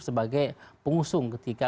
sebagai pengusung ketika